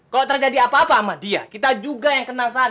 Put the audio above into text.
kalau terjadi apa apa sama dia kita juga yang kenal saya